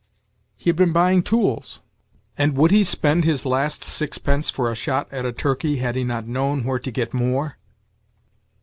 "He had been buying tools. And would he spend his last sixpence for a shot at a turkey had he not known where to get more?"